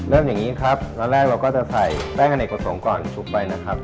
อย่างนี้ครับตอนแรกเราก็จะใส่แป้งอเนกประสงค์ก่อนชุบไปนะครับ